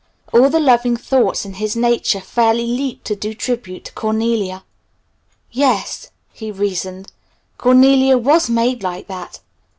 All the loving thoughts in his nature fairly leaped to do tribute to Cornelia. "Yes!" he reasoned, "Cornelia was made like that!